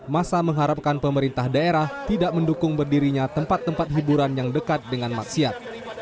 masa mengharapkan pemerintah daerah tidak mendukung berdirinya tempat tempat hiburan yang dekat dengan maksiat